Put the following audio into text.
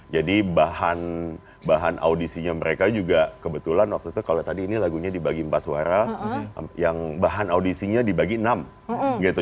jadi bahan audisinya mereka juga kebetulan waktu itu kalau tadi ini lagunya dibagi empat suara yang bahan audisinya dibagi enam gitu